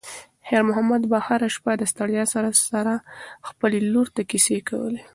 خیر محمد به هره شپه د ستړیا سره سره خپلې لور ته کیسې کولې.